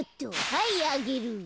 はいあげる。